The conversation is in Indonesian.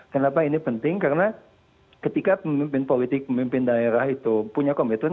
kenapa ini penting karena ketika pemimpin politik pemimpin daerah itu punya komitmen